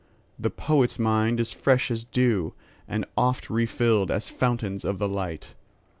The poet's mind is fresh as dew, And oft refilled as fountains of the light.